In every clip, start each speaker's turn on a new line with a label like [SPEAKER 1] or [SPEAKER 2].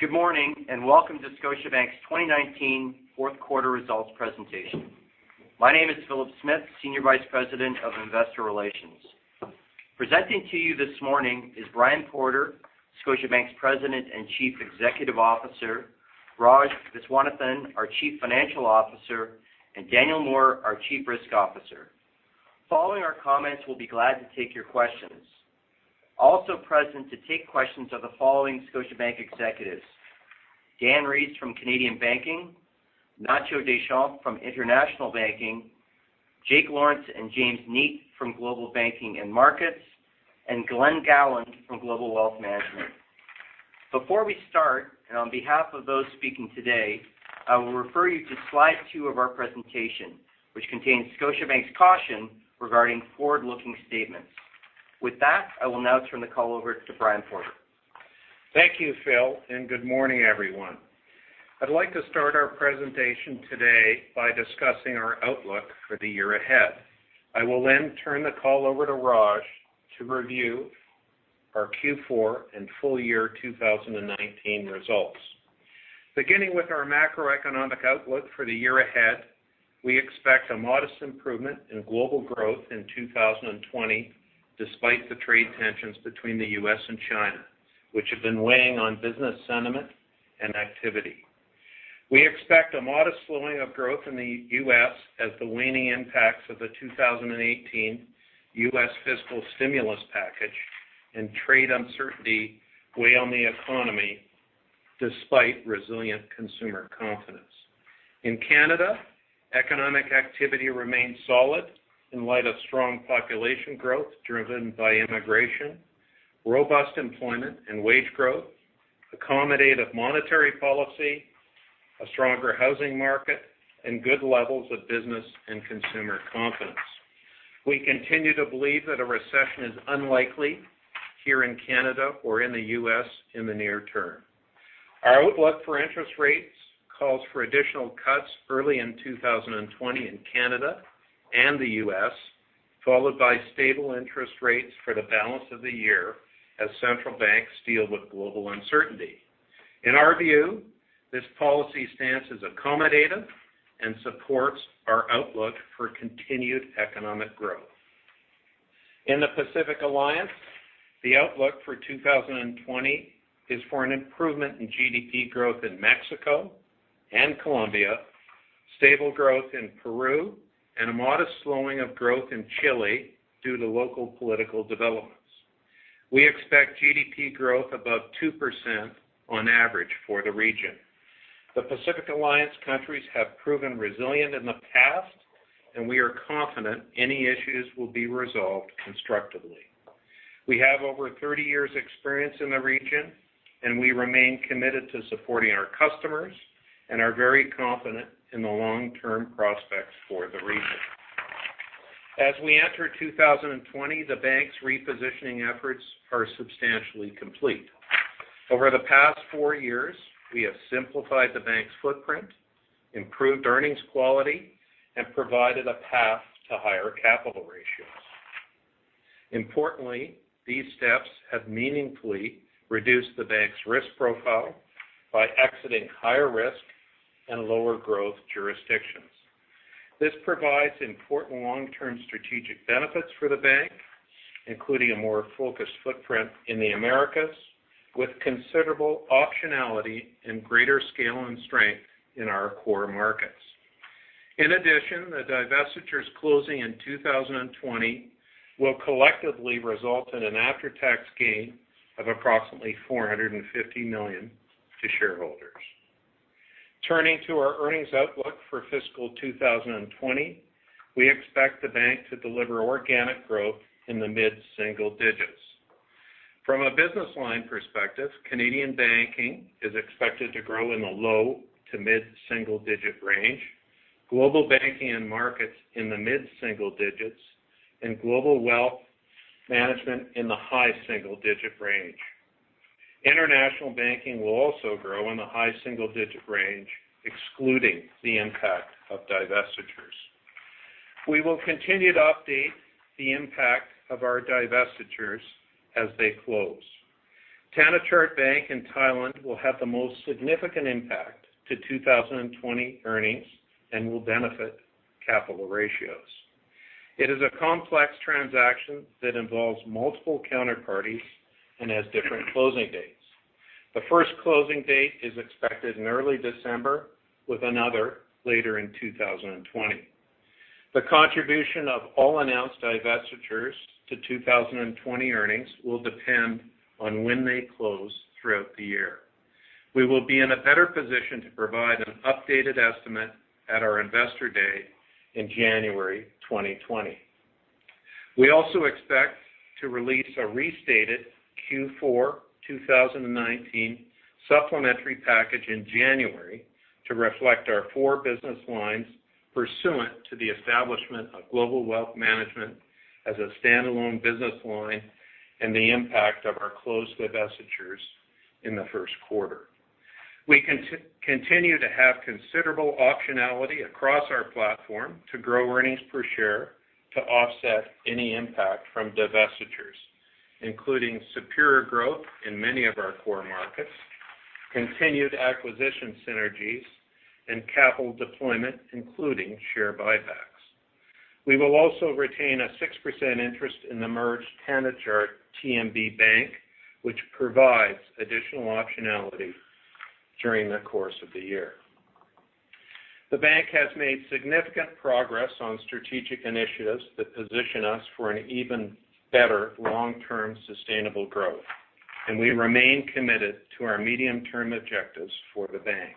[SPEAKER 1] Good morning, and welcome to Scotiabank's 2019 fourth quarter results presentation. My name is Philip Smith, Senior Vice President of Investor Relations. Presenting to you this morning is Brian Porter, Scotiabank's President and Chief Executive Officer, Raj Viswanathan, our Chief Financial Officer, and Daniel Moore, our Chief Risk Officer. Following our comments, we'll be glad to take your questions. Also present to take questions are the following Scotiabank executives, Dan Rees from Canadian Banking, Nacho Deschamps from International Banking, Jake Lawrence and James Neate from Global Banking and Markets, and Glen Gowland from Global Wealth Management. Before we start, and on behalf of those speaking today, I will refer you to slide two of our presentation, which contains Scotiabank's caution regarding forward-looking statements. With that, I will now turn the call over to Brian Porter.
[SPEAKER 2] Thank you, Phil, and good morning, everyone. I'd like to start our presentation today by discussing our outlook for the year ahead. I will turn the call over to Raj to review our Q4 and full year 2019 results. Beginning with our macroeconomic outlook for the year ahead, we expect a modest improvement in global growth in 2020 despite the trade tensions between the U.S. and China, which have been weighing on business sentiment and activity. We expect a modest slowing of growth in the U.S. as the waning impacts of the 2018 U.S. fiscal stimulus package and trade uncertainty weigh on the economy despite resilient consumer confidence. In Canada, economic activity remains solid in light of strong population growth driven by immigration, robust employment and wage growth, accommodative monetary policy, a stronger housing market, and good levels of business and consumer confidence. We continue to believe that a recession is unlikely here in Canada or in the U.S. in the near term. Our outlook for interest rates calls for additional cuts early in 2020 in Canada and the U.S., followed by stable interest rates for the balance of the year as central banks deal with global uncertainty. In our view, this policy stance is accommodative and supports our outlook for continued economic growth. In the Pacific Alliance, the outlook for 2020 is for an improvement in GDP growth in Mexico and Colombia, stable growth in Peru, and a modest slowing of growth in Chile due to local political developments. We expect GDP growth above 2% on average for the region. The Pacific Alliance countries have proven resilient in the past, and we are confident any issues will be resolved constructively. We have over 30 years experience in the region, and we remain committed to supporting our customers and are very confident in the long-term prospects for the region. As we enter 2020, the bank's repositioning efforts are substantially complete. Over the past four years, we have simplified the bank's footprint, improved earnings quality, and provided a path to higher capital ratios. Importantly, these steps have meaningfully reduced the bank's risk profile by exiting higher risk and lower growth jurisdictions. This provides important long-term strategic benefits for the bank, including a more focused footprint in the Americas with considerable optionality and greater scale and strength in our core markets. In addition, the divestitures closing in 2020 will collectively result in an after-tax gain of approximately 450 million to shareholders. Turning to our earnings outlook for fiscal 2020, we expect the bank to deliver organic growth in the mid-single digits. From a business line perspective, Canadian Banking is expected to grow in the low to mid-single-digit range, Global Banking and Markets in the mid-single digits, and Global Wealth Management in the high single-digit range. International Banking will also grow in the high single-digit range, excluding the impact of divestitures. We will continue to update the impact of our divestitures as they close. Thanachart Bank in Thailand will have the most significant impact to 2020 earnings and will benefit capital ratios. It is a complex transaction that involves multiple counterparties and has different closing dates. The first closing date is expected in early December, with another later in 2020. The contribution of all announced divestitures to 2020 earnings will depend on when they close throughout the year. We will be in a better position to provide an updated estimate at our Investor Day in January 2020. We also expect to release a restated Q4 2019 supplementary package in January to reflect our four business lines pursuant to the establishment of Global Wealth Management as a standalone business line and the impact of our closed divestitures in the first quarter. We continue to have considerable optionality across our platform to grow earnings per share to offset any impact from divestitures, including superior growth in many of our core markets, continued acquisition synergies and capital deployment, including share buybacks. We will also retain a 6% interest in the merged TMBThanachart Bank, which provides additional optionality during the course of the year. The bank has made significant progress on strategic initiatives that position us for an even better long-term sustainable growth, and we remain committed to our medium-term objectives for the bank.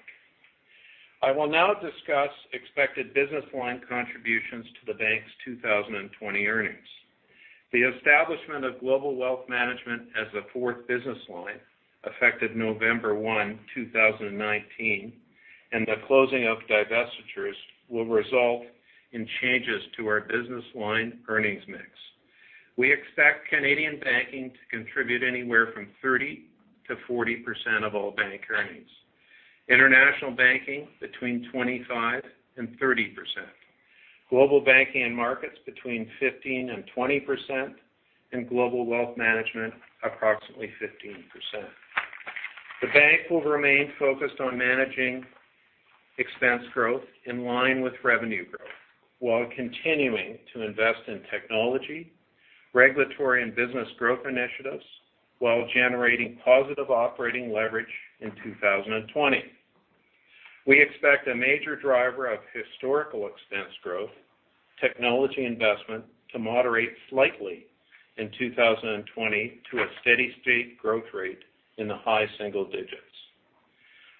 [SPEAKER 2] I will now discuss expected business line contributions to the bank's 2020 earnings. The establishment of Global Wealth Management as a fourth business line affected November 1, 2019, and the closing of divestitures will result in changes to our business line earnings mix. We expect Canadian Banking to contribute anywhere from 30%-40% of all bank earnings, International Banking between 25% and 30%, Global Banking and Markets between 15% and 20%, and Global Wealth Management approximately 15%. The bank will remain focused on managing expense growth in line with revenue growth while continuing to invest in technology, regulatory and business growth initiatives while generating positive operating leverage in 2020. We expect a major driver of historical expense growth, technology investment, to moderate slightly in 2020 to a steady state growth rate in the high single digits.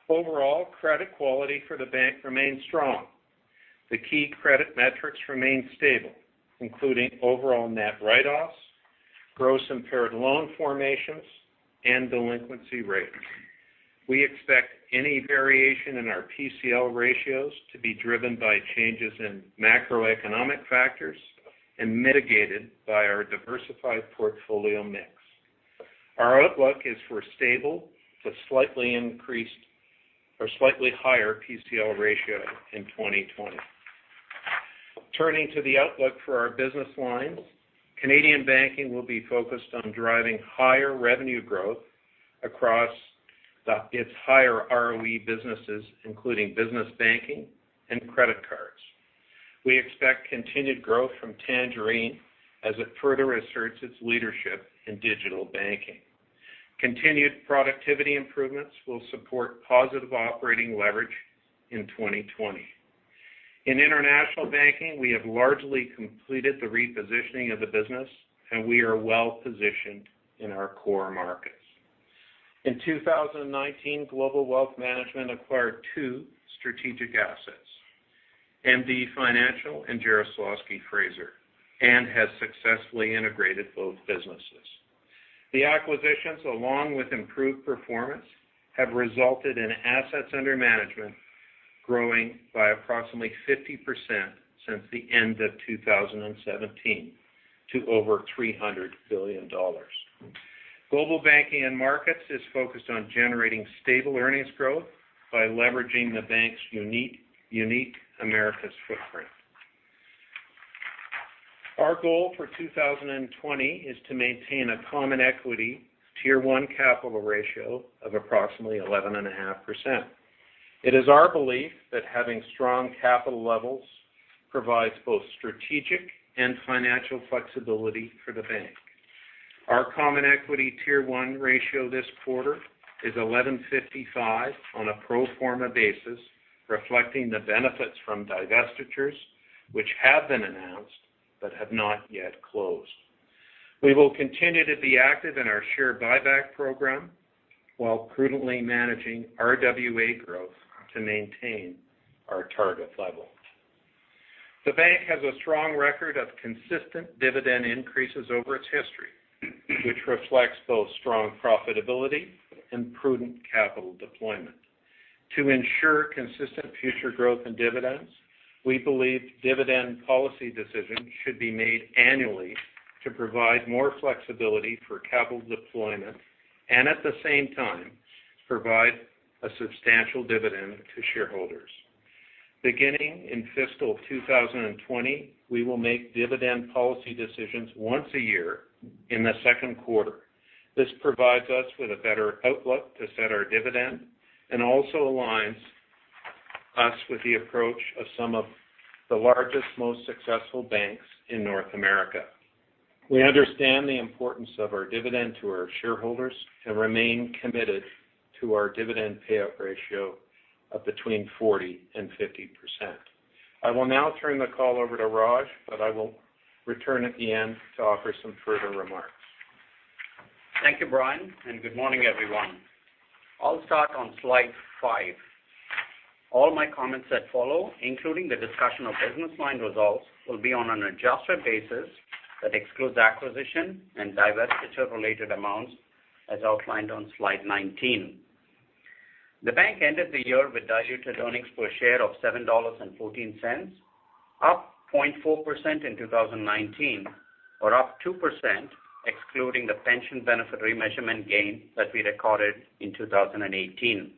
[SPEAKER 2] Overall, credit quality for the bank remains strong. The key credit metrics remain stable, including overall net write-offs, gross impaired loan formations, and delinquency rates. We expect any variation in our PCL ratios to be driven by changes in macroeconomic factors and mitigated by our diversified portfolio mix. Our outlook is for stable to slightly increased or slightly higher PCL ratio in 2020. Turning to the outlook for our business lines, Canadian Banking will be focused on driving higher revenue growth across its higher ROE businesses, including business banking and credit cards. We expect continued growth from Tangerine as it further asserts its leadership in digital banking. Continued productivity improvements will support positive operating leverage in 2020. In International Banking, we have largely completed the repositioning of the business, and we are well-positioned in our core markets. In 2019, Global Wealth Management acquired two strategic assets, MD Financial and Jarislowsky Fraser, and has successfully integrated both businesses. The acquisitions, along with improved performance, have resulted in assets under management growing by approximately 50% since the end of 2017 to over 300 billion dollars. Global Banking and Markets is focused on generating stable earnings growth by leveraging the Bank's unique Americas footprint. Our goal for 2020 is to maintain a Common Equity Tier 1 capital ratio of approximately 11.5%. It is our belief that having strong capital levels provides both strategic and financial flexibility for the Bank. Our Common Equity Tier 1 ratio this quarter is 1155 on a pro forma basis, reflecting the benefits from divestitures which have been announced but have not yet closed. We will continue to be active in our share buyback program while prudently managing RWA growth to maintain our target level. The Bank has a strong record of consistent dividend increases over its history, which reflects both strong profitability and prudent capital deployment. To ensure consistent future growth in dividends, we believe dividend policy decisions should be made annually to provide more flexibility for capital deployment and at the same time provide a substantial dividend to shareholders. Beginning in fiscal 2020, we will make dividend policy decisions once a year in the second quarter. This provides us with a better outlook to set our dividend and also aligns us with the approach of some of the largest, most successful banks in North America. We understand the importance of our dividend to our shareholders and remain committed to our dividend payout ratio of between 40% and 50%. I will now turn the call over to Raj. I will return at the end to offer some further remarks.
[SPEAKER 3] Thank you, Brian, and good morning, everyone. I'll start on slide 5. All my comments that follow, including the discussion of business line results, will be on an adjusted basis that excludes acquisition and divestiture-related amounts as outlined on slide 19. The bank ended the year with diluted earnings per share of 7.14 dollars. Up 0.4% in 2019, or up 2% excluding the pension benefit remeasurement gain that we recorded in 2018.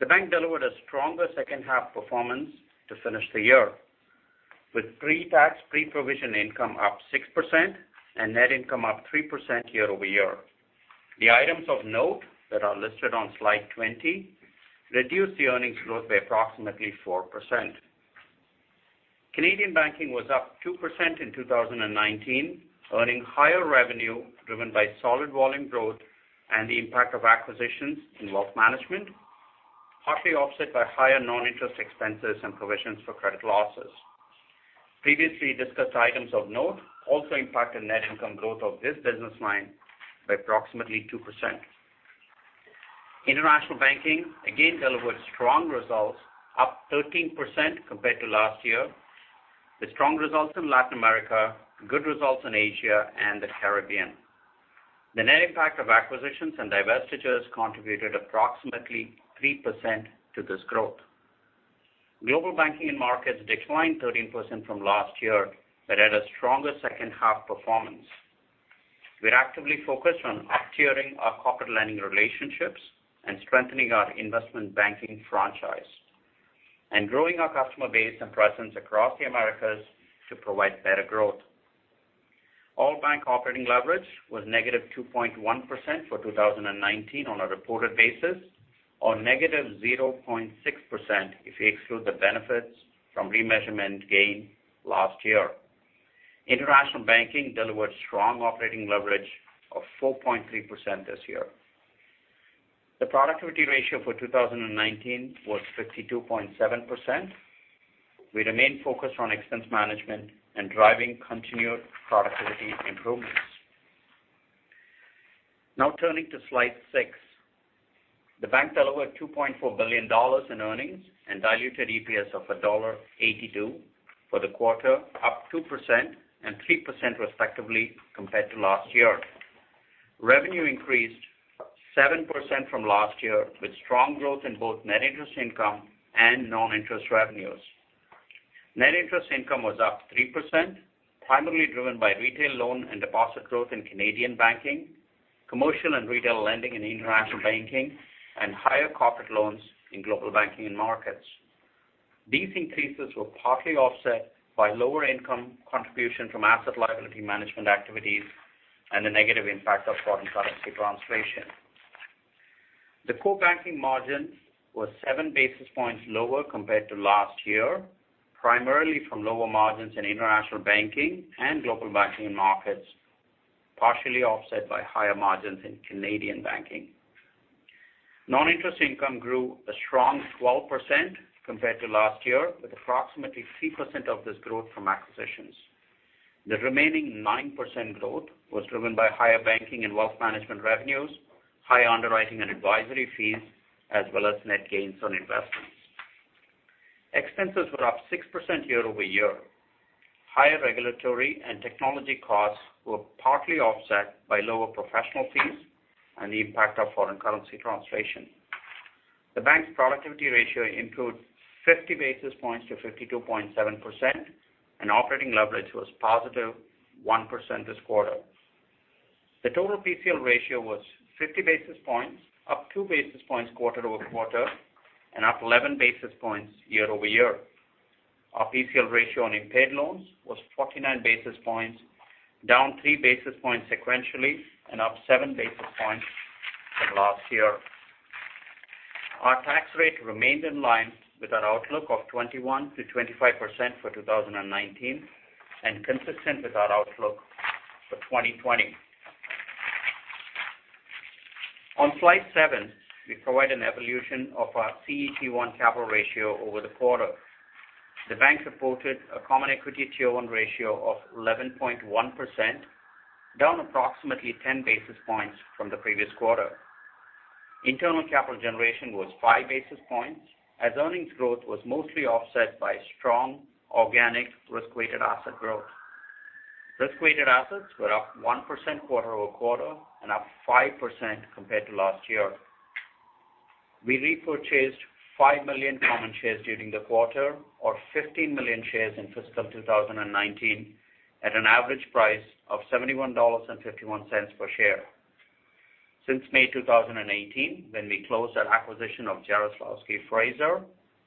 [SPEAKER 3] The bank delivered a stronger second half performance to finish the year, with pre-tax, pre-provision income up 6% and net income up 3% year-over-year. The items of note that are listed on slide 20 reduced the earnings growth by approximately 4%. Canadian Banking was up 2% in 2019, earning higher revenue driven by solid volume growth and the impact of acquisitions in wealth management, partly offset by higher non-interest expenses and provisions for credit losses. Previously discussed items of note also impacted net income growth of this business line by approximately 2%. International Banking again delivered strong results, up 13% compared to last year, with strong results in Latin America, good results in Asia and the Caribbean. The net impact of acquisitions and divestitures contributed approximately 3% to this growth. Global Banking and Markets declined 13% from last year, but had a stronger second half performance. We're actively focused on up-tiering our corporate lending relationships and strengthening our investment banking franchise and growing our customer base and presence across the Americas to provide better growth. All-bank operating leverage was negative 2.1% for 2019 on a reported basis, or negative 0.6% if you exclude the benefits from remeasurement gain last year. International Banking delivered strong operating leverage of 4.3% this year. The productivity ratio for 2019 was 52.7%. We remain focused on expense management and driving continued productivity improvements. Now turning to slide six. The bank delivered 2.4 billion dollars in earnings and diluted EPS of dollar 1.82 for the quarter, up 2% and 3% respectively compared to last year. Revenue increased 7% from last year, with strong growth in both net interest income and non-interest revenues. Net interest income was up 3%, primarily driven by retail loan and deposit growth in Canadian Banking, commercial and retail lending in International Banking, and higher corporate loans in Global Banking and Markets. These increases were partly offset by lower income contribution from asset liability management activities and the negative impact of foreign currency translation. The core banking margin was seven basis points lower compared to last year, primarily from lower margins in International Banking and Global Banking and Markets, partially offset by higher margins in Canadian Banking. Non-interest income grew a strong 12% compared to last year, with approximately 3% of this growth from acquisitions. The remaining 9% growth was driven by higher banking and wealth management revenues, high underwriting and advisory fees, as well as net gains on investments. Expenses were up 6% year-over-year. Higher regulatory and technology costs were partly offset by lower professional fees and the impact of foreign currency translation. The bank's productivity ratio improved 50 basis points to 52.7%, and operating leverage was positive 1% this quarter. The total PCL ratio was 50 basis points, up two basis points quarter-over-quarter, and up 11 basis points year-over-year. Our PCL ratio on impaired loans was 49 basis points, down three basis points sequentially and up seven basis points from last year. Our tax rate remained in line with our outlook of 21%-25% for 2019 and consistent with our outlook for 2020. On slide seven, we provide an evolution of our CET1 capital ratio over the quarter. The bank reported a Common Equity Tier 1 ratio of 11.1%, down approximately 10 basis points from the previous quarter. Internal capital generation was five basis points, as earnings growth was mostly offset by strong organic risk-weighted asset growth. Risk-weighted assets were up 1% quarter-over-quarter and up 5% compared to last year. We repurchased five million common shares during the quarter, or 15 million shares in fiscal 2019 at an average price of 71.51 dollars per share. Since May 2018, when we closed our acquisition of Jarislowsky Fraser,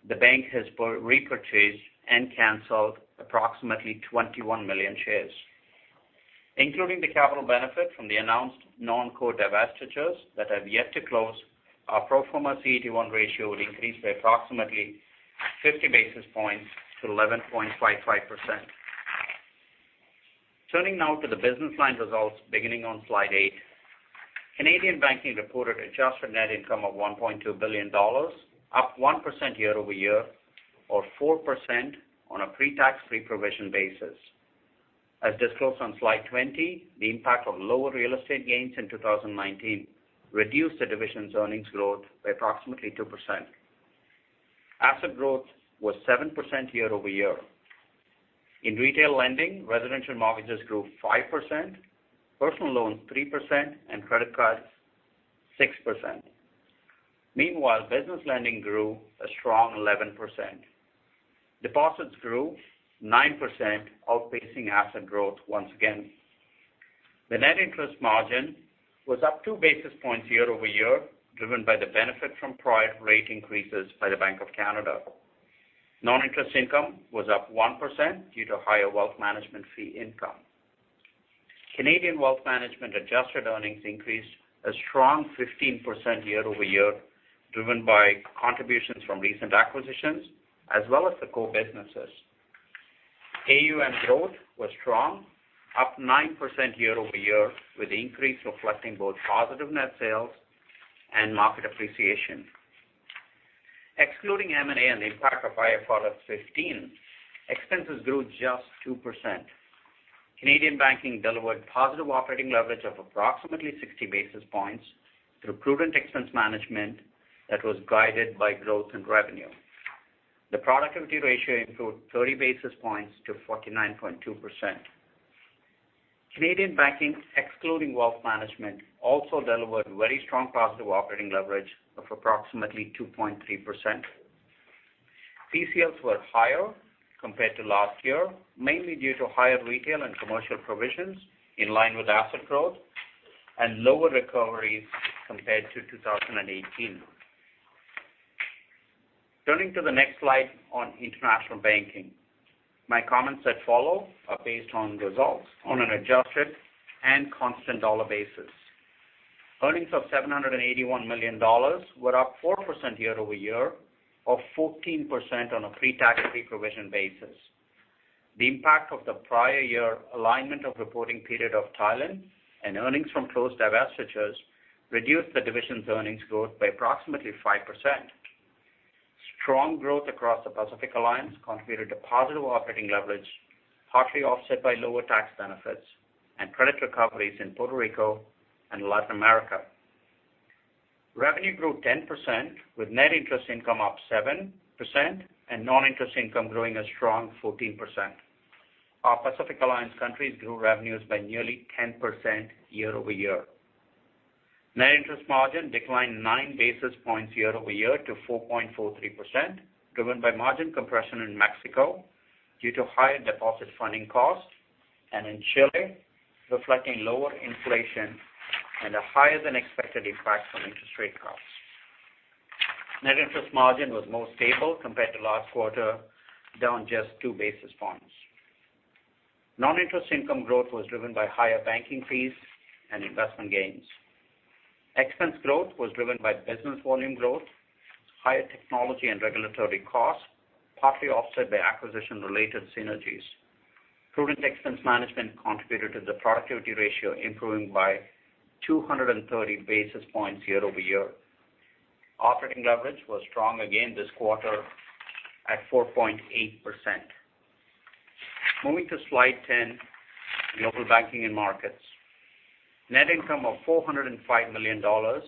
[SPEAKER 3] the bank has repurchased and canceled approximately 21 million shares. Including the capital benefit from the announced non-core divestitures that have yet to close, our pro forma CET1 ratio would increase by approximately 50 basis points to 11.55%. Turning now to the business line results beginning on slide eight. Canadian Banking reported adjusted net income of 1.2 billion dollars, up 1% year-over-year or 4% on a pre-tax, pre-provision basis. As disclosed on slide 20, the impact of lower real estate gains in 2019 reduced the division's earnings growth by approximately 2%. Asset growth was 7% year-over-year. In retail lending, residential mortgages grew 5%, personal loans 3%, and credit cards 6%. Meanwhile, business lending grew a strong 11%. Deposits grew 9%, outpacing asset growth once again. The net interest margin was up two basis points year-over-year, driven by the benefit from prior rate increases by the Bank of Canada. Non-interest income was up 1% due to higher wealth management fee income. Canadian Wealth Management adjusted earnings increased a strong 15% year-over-year, driven by contributions from recent acquisitions as well as the core businesses. AUM growth was strong, up 9% year-over-year, with the increase reflecting both positive net sales and market appreciation. Excluding M&A and the impact of IFRS 15, expenses grew just 2%. Canadian Banking delivered positive operating leverage of approximately 60 basis points through prudent expense management that was guided by growth in revenue. The productivity ratio improved 30 basis points to 49.2%. Canadian Banking, excluding Wealth Management, also delivered very strong positive operating leverage of approximately 2.3%. PCLs were higher compared to last year, mainly due to higher retail and commercial provisions in line with asset growth and lower recoveries compared to 2018. Turning to the next slide on International Banking. My comments that follow are based on results on an adjusted and constant dollar basis. Earnings of 781 million dollars were up 4% year-over-year or 14% on a pre-tax, pre-provision basis. The impact of the prior year alignment of reporting period of Thailand and earnings from closed divestitures reduced the division's earnings growth by approximately 5%. Strong growth across the Pacific Alliance contributed to positive operating leverage, partly offset by lower tax benefits and credit recoveries in Puerto Rico and Latin America. Revenue grew 10%, with net interest income up 7% and non-interest income growing a strong 14%. Our Pacific Alliance countries grew revenues by nearly 10% year-over-year. Net interest margin declined nine basis points year-over-year to 4.43%, driven by margin compression in Mexico due to higher deposit funding costs, and in Chile, reflecting lower inflation and a higher-than-expected impact from interest rate cuts. Net interest margin was more stable compared to last quarter, down just two basis points. Non-interest income growth was driven by higher banking fees and investment gains. Expense growth was driven by business volume growth, higher technology and regulatory costs, partly offset by acquisition-related synergies. Prudent expense management contributed to the productivity ratio improving by 230 basis points year-over-year. Operating leverage was strong again this quarter at 4.8%. Moving to slide 10, Global Banking and Markets. Net income of 405 million dollars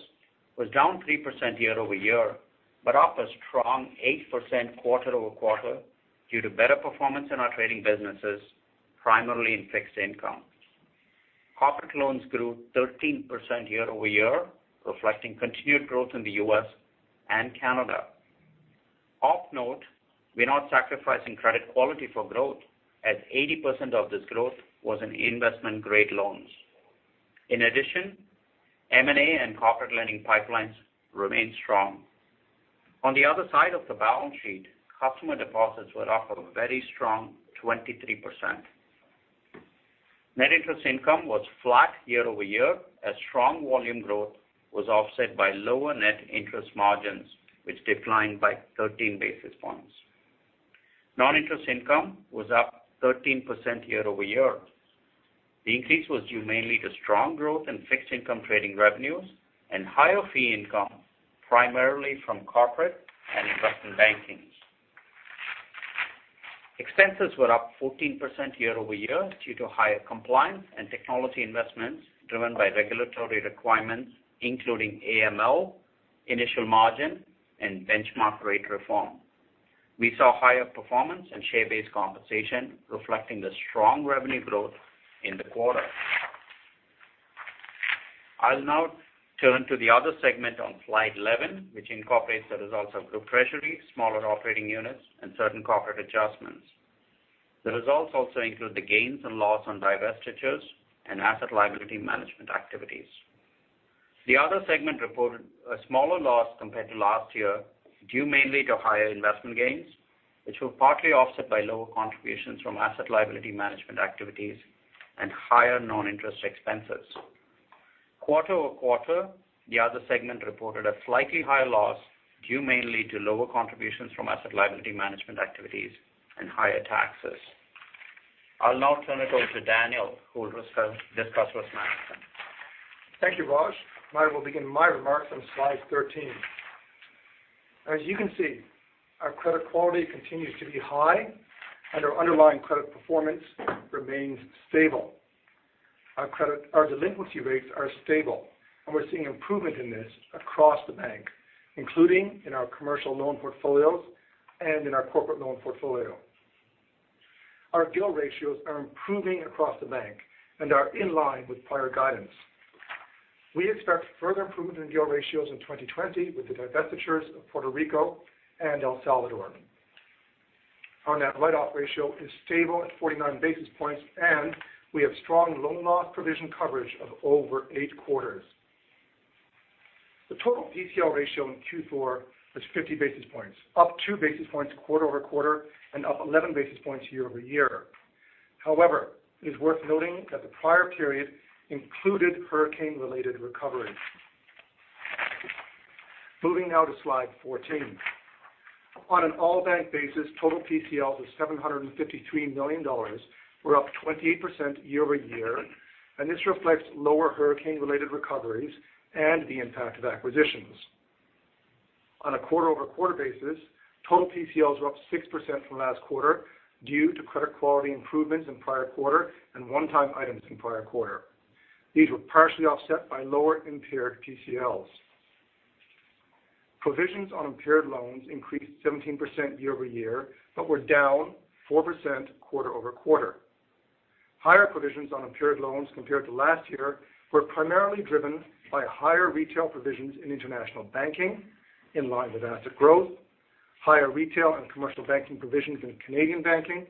[SPEAKER 3] was down 3% year-over-year, but up a strong 8% quarter-over-quarter due to better performance in our trading businesses, primarily in fixed income. Corporate loans grew 13% year-over-year, reflecting continued growth in the U.S. and Canada. Of note, we're not sacrificing credit quality for growth as 80% of this growth was in investment-grade loans. In addition, M&A and corporate lending pipelines remain strong. On the other side of the balance sheet, customer deposits were up a very strong 23%. Net interest income was flat year-over-year as strong volume growth was offset by lower net interest margins, which declined by 13 basis points. Non-interest income was up 13% year-over-year. The increase was due mainly to strong growth in fixed income trading revenues and higher fee income, primarily from corporate and investment banking. Expenses were up 14% year-over-year due to higher compliance and technology investments driven by regulatory requirements, including AML, initial margin, and benchmark rate reform. We saw higher performance and share-based compensation reflecting the strong revenue growth in the quarter. I'll now turn to the other segment on slide 11, which incorporates the results of Group Treasury, smaller operating units, and certain corporate adjustments. The results also include the gains and loss on divestitures and asset liability management activities. The other segment reported a smaller loss compared to last year, due mainly to higher investment gains, which were partly offset by lower contributions from asset liability management activities and higher non-interest expenses. Quarter-over-quarter, the other segment reported a slightly higher loss due mainly to lower contributions from asset liability management activities and higher taxes. I will now turn it over to Daniel, who will discuss risk management.
[SPEAKER 4] Thank you, Raj. I will begin my remarks on slide 13. As you can see, our credit quality continues to be high and our underlying credit performance remains stable. Our delinquency rates are stable and we're seeing improvement in this across the bank, including in our commercial loan portfolios and in our corporate loan portfolio. Our GIL ratios are improving across the bank and are in line with prior guidance. We expect further improvement in GIL ratios in 2020 with the divestitures of Puerto Rico and El Salvador. Our net write-off ratio is stable at 49 basis points, and we have strong loan loss provision coverage of over eight quarters. The total PCL ratio in Q4 was 50 basis points, up two basis points quarter-over-quarter, and up 11 basis points year-over-year. However, it is worth noting that the prior period included hurricane-related recoveries. Moving now to slide 14. On an all-bank basis, total PCLs of 753 million dollars were up 28% year-over-year. This reflects lower hurricane-related recoveries and the impact of acquisitions. On a quarter-over-quarter basis, total PCLs were up 6% from last quarter due to credit quality improvements in prior quarter and one-time items in prior quarter. These were partially offset by lower impaired PCLs. Provisions on impaired loans increased 17% year-over-year but were down 4% quarter-over-quarter. Higher provisions on impaired loans compared to last year were primarily driven by higher retail provisions in International Banking, in line with asset growth, higher retail and commercial banking provisions in Canadian Banking,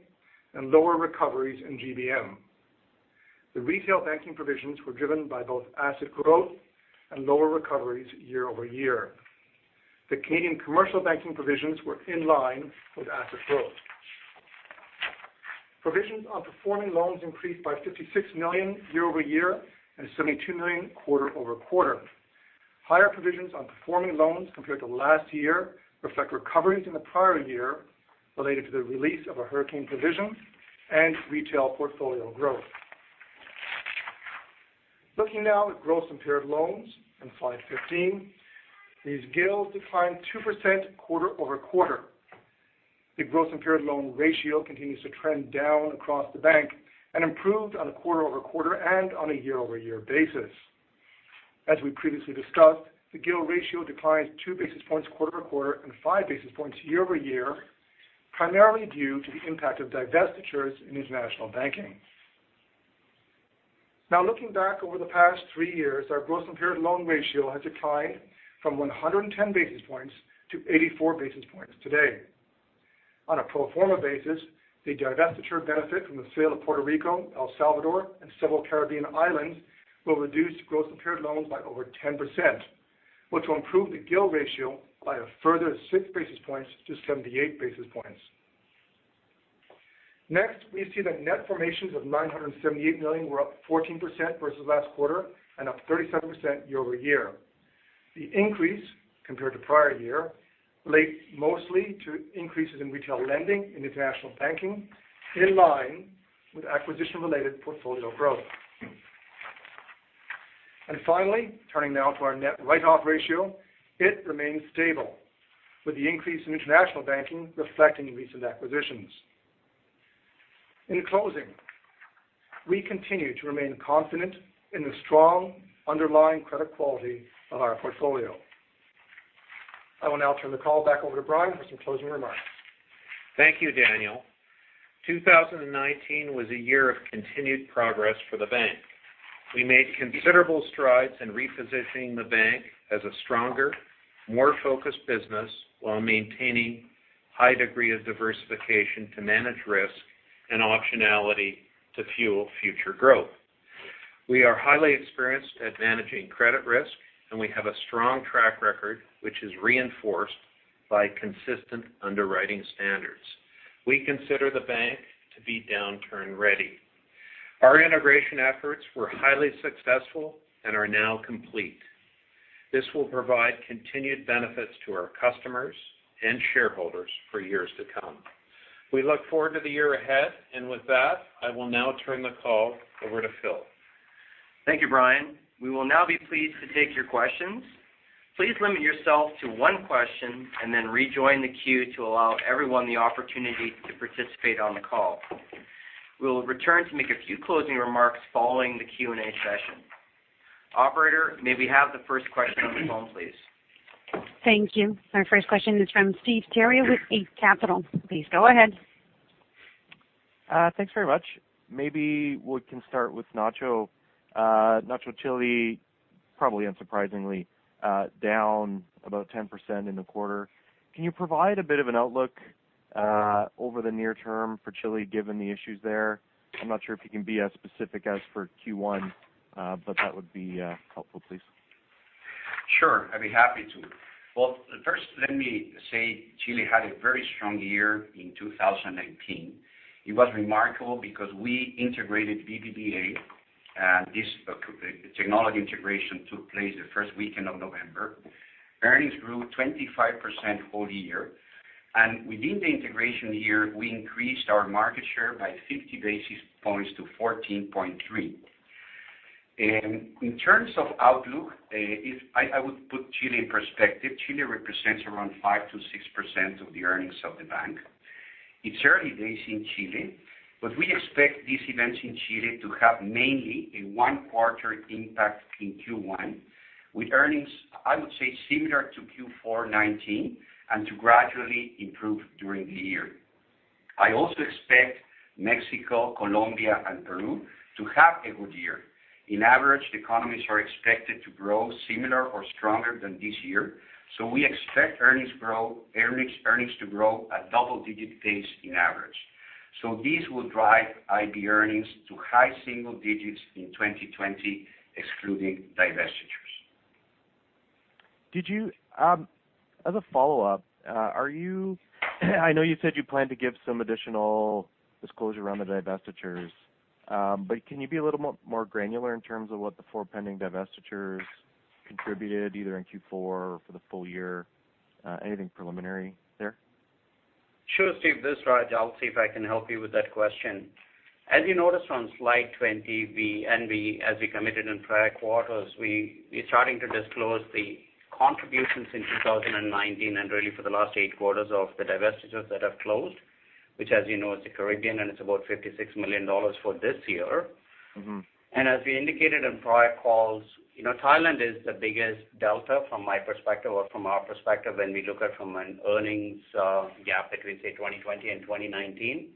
[SPEAKER 4] and lower recoveries in GBM. The retail banking provisions were driven by both asset growth and lower recoveries year-over-year. The Canadian commercial banking provisions were in line with asset growth. Provisions on performing loans increased by 56 million year-over-year and 72 million quarter-over-quarter. Higher provisions on performing loans compared to last year reflect recoveries in the prior year related to the release of a hurricane provision and retail portfolio growth. Looking now at gross impaired loans on slide 15. These GILs declined 2% quarter-over-quarter. The gross impaired loan ratio continues to trend down across the bank and improved on a quarter-over-quarter and on a year-over-year basis. As we previously discussed, the GIL ratio declined two basis points quarter-over-quarter and five basis points year-over-year, primarily due to the impact of divestitures in International Banking. Looking back over the past three years, our gross impaired loan ratio has declined from 110 basis points to 84 basis points today. On a pro forma basis, the divestiture benefit from the sale of Puerto Rico, El Salvador, and several Caribbean islands will reduce gross impaired loans by over 10%, or to improve the GIL ratio by a further six basis points to 78 basis points. We see that net formations of 978 million were up 14% versus last quarter and up 37% year-over-year. The increase compared to prior year relate mostly to increases in retail lending in International Banking in line with acquisition-related portfolio growth. Finally, turning now to our net write-off ratio. It remains stable, with the increase in International Banking reflecting recent acquisitions. In closing, we continue to remain confident in the strong underlying credit quality of our portfolio. I will now turn the call back over to Brian for some closing remarks.
[SPEAKER 2] Thank you, Daniel. 2019 was a year of continued progress for the bank. We made considerable strides in repositioning the bank as a stronger, more focused business while maintaining high degree of diversification to manage risk and optionality to fuel future growth. We are highly experienced at managing credit risk, and we have a strong track record, which is reinforced by consistent underwriting standards. We consider the bank to be downturn ready. Our integration efforts were highly successful and are now complete. This will provide continued benefits to our customers and shareholders for years to come. With that, I will now turn the call over to Phil.
[SPEAKER 1] Thank you, Brian. We will now be pleased to take your questions. Please limit yourself to one question and then rejoin the queue to allow everyone the opportunity to participate on the call. We will return to make a few closing remarks following the Q&A session. Operator, may we have the first question on the phone, please?
[SPEAKER 5] Thank you. Our first question is from Steve Theriault with Eight Capital. Please go ahead.
[SPEAKER 6] Thanks very much. Maybe we can start with Nacho. Nacho, Chile probably unsurprisingly down about 10% in the quarter. Can you provide a bit of an outlook over the near term for Chile given the issues there? I'm not sure if you can be as specific as for Q1, but that would be helpful, please.
[SPEAKER 7] Sure. I'd be happy to. Well, first let me say Chile had a very strong year in 2019. It was remarkable because we integrated BBVA. This technology integration took place the first weekend of November. Earnings grew 25% whole year, and within the integration year, we increased our market share by 50 basis points to 14.3. In terms of outlook, I would put Chile in perspective. Chile represents around 5%-6% of the earnings of the bank. It's early days in Chile, but We expect these events in Chile to have mainly a one-quarter impact in Q1 with earnings, I would say similar to Q4 2019, and to gradually improve during the year. I also expect Mexico, Colombia, and Peru to have a good year. On average, the economies are expected to grow similar or stronger than this year. We expect earnings to grow at double-digit pace on average. This will drive IB earnings to high single digits in 2020, excluding divestitures.
[SPEAKER 6] As a follow-up, I know you said you plan to give some additional disclosure around the divestitures. Can you be a little more granular in terms of what the four pending divestitures contributed either in Q4 or for the full year? Anything preliminary there?
[SPEAKER 3] Sure, Steve, this is Raj. I'll see if I can help you with that question. As you noticed on slide 20, as we committed in prior quarters, we're starting to disclose the contributions in 2019 really for the last eight quarters of the divestitures that have closed, which as you know is the Caribbean. It's about 56 million dollars for this year. As we indicated in prior calls, Thailand is the biggest delta from my perspective or from our perspective when we look at from an earnings gap between, say, 2020 and 2019.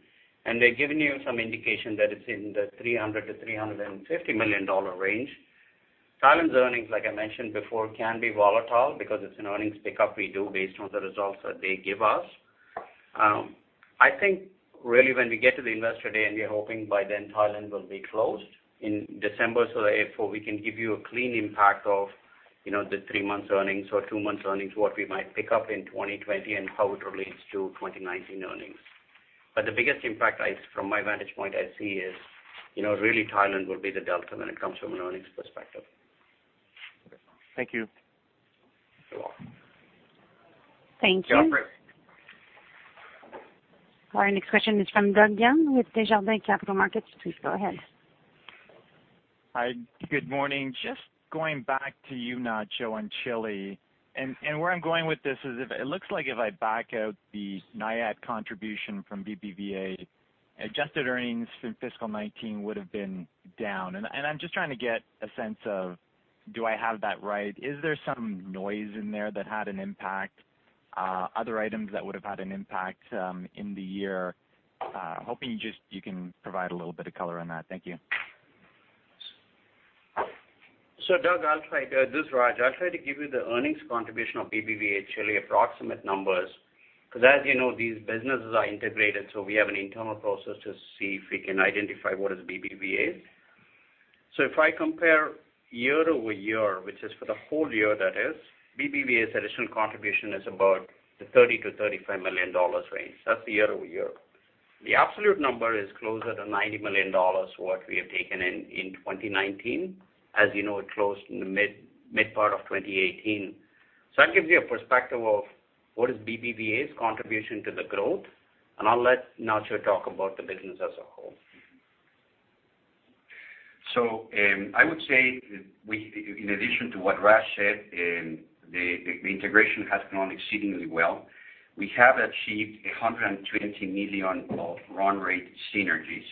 [SPEAKER 3] We've given you some indication that it's in the 300 million-350 million dollar range. Thailand's earnings, like I mentioned before, can be volatile because it's an earnings pickup we do based on the results that they give us. I think really when we get to the Investor Day, and we're hoping by then Thailand will be closed in December so that therefore we can give you a clean impact of the three months earnings or two months earnings, what we might pick up in 2020 and how it relates to 2019 earnings. The biggest impact from my vantage point I see is really Thailand will be the delta when it comes from an earnings perspective.
[SPEAKER 6] Thank you.
[SPEAKER 3] You're welcome.
[SPEAKER 5] Thank you.
[SPEAKER 7] Operator?
[SPEAKER 5] Our next question is from Doug Young with Desjardins Capital Markets. Please go ahead.
[SPEAKER 8] Hi, good morning. Just going back to you, Nacho, on Chile. Where I'm going with this is it looks like if I back out the NIAT contribution from BBVA, adjusted earnings from fiscal 2019 would've been down. I'm just trying to get a sense of, do I have that right? Is there some noise in there that had an impact, other items that would've had an impact in the year? Hoping you can provide a little bit of color on that. Thank you.
[SPEAKER 3] Doug, this is Raj. I'll try to give you the earnings contribution of BBVA Chile approximate numbers, because as you know, these businesses are integrated, so we have an internal process to see if we can identify what is BBVA's. If I compare year-over-year, which is for the whole year that is, BBVA's additional contribution is about the 30 million-35 million dollars range. That's the year-over-year. The absolute number is closer to 90 million dollars what we have taken in in 2019. As you know, it closed in the mid part of 2018. That gives you a perspective of what is BBVA's contribution to the growth, and I'll let Nacho talk about the business as a whole.
[SPEAKER 7] I would say in addition to what Raj said, the integration has gone exceedingly well. We have achieved 120 million of run rate synergies.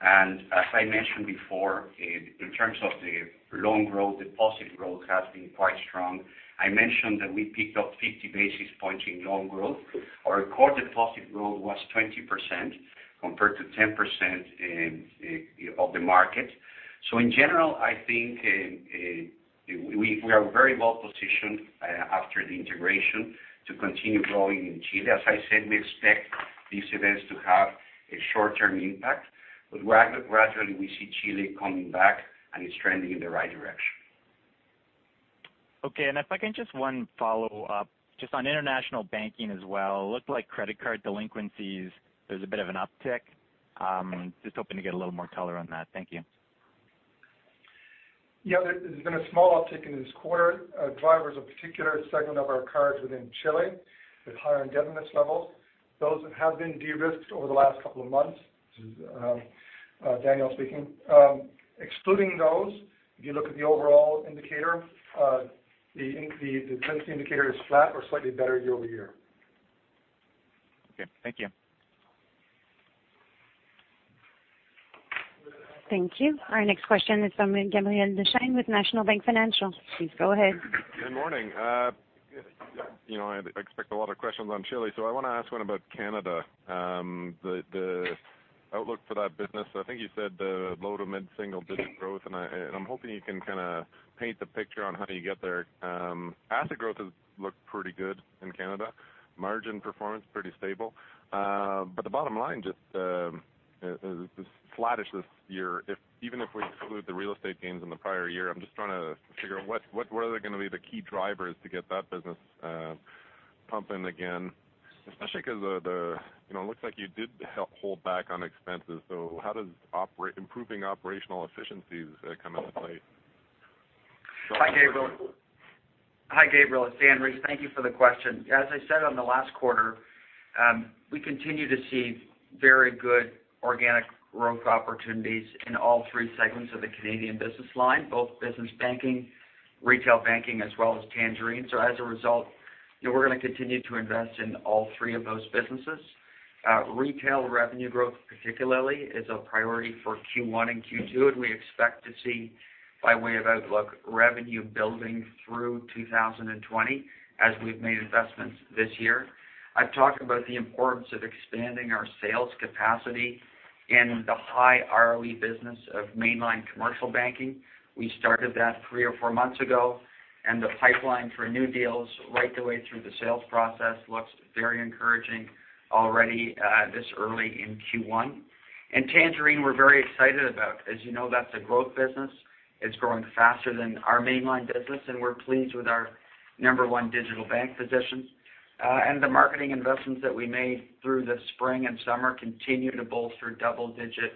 [SPEAKER 7] As I mentioned before, in terms of the loan growth, deposit growth has been quite strong. I mentioned that we picked up 50 basis points in loan growth. Our recorded deposit growth was 20% compared to 10% of the market. In general, I think we are very well positioned after the integration to continue growing in Chile. As I said, we expect these events to have a short-term impact, but gradually we see Chile coming back, and it's trending in the right direction.
[SPEAKER 8] If I can just one follow-up, just on International Banking as well. It looked like credit card delinquencies, there's a bit of an uptick. Just hoping to get a little more color on that. Thank you.
[SPEAKER 4] Yeah, there's been a small uptick in this quarter. Drivers of particular segment of our cards within Chile with higher indebtedness levels. Those have been de-risked over the last couple of months. This is Daniel speaking. Excluding those, if you look at the overall indicator, the delinquency indicator is flat or slightly better year-over-year.
[SPEAKER 8] Okay. Thank you.
[SPEAKER 5] Thank you. Our next question is from Gabriel Dechaine with National Bank Financial. Please go ahead.
[SPEAKER 9] Good morning. I expect a lot of questions on Chile, so I want to ask one about Canada. The outlook for that business, I think you said low to mid-single digit growth, and I'm hoping you can kind of paint the picture on how you get there. Asset growth has looked pretty good in Canada. Margin performance pretty stable. The bottom line just is flattish this year. Even if we exclude the real estate gains in the prior year, I'm just trying to figure out what are going to be the key drivers to get that business pumping again, especially because it looks like you did hold back on expenses. How does improving operational efficiencies come into play?
[SPEAKER 10] Hi, Gabriel. It's Dan Rees. Thank you for the question. As I said on the last quarter, we continue to see very good organic growth opportunities in all three segments of the Canadian Banking, both business banking, retail banking, as well as Tangerine. As a result. We're going to continue to invest in all three of those businesses. Retail revenue growth particularly is a priority for Q1 and Q2. We expect to see, by way of outlook, revenue building through 2020 as we've made investments this year. I've talked about the importance of expanding our sales capacity in the high ROE business of mainline commercial banking. We started that three or four months ago. The pipeline for new deals right the way through the sales process looks very encouraging already this early in Q1. Tangerine we're very excited about. As you know, that's a growth business. It's growing faster than our mainline business. We're pleased with our number one digital bank position. The marketing investments that we made through the spring and summer continue to bolster double-digit